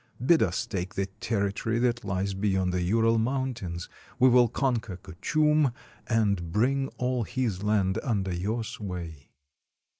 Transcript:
Bid us take the territory that Hes be yond the Ural Mountains; we will conquer Kuchum and bring all his land under your sway."